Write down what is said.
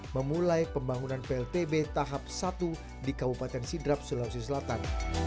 memulai pembangunan pltb tahap satu di kabupaten sidrap sulawesi selatan